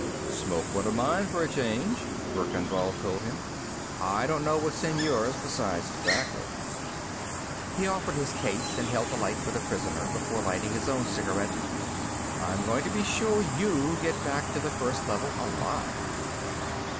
"Smoke one of mine, for a change," Verkan Vall told him. "I don't know what's in yours beside tobacco." He offered his case and held a light for the prisoner before lighting his own cigarette. "I'm going to be sure you get back to the First Level alive."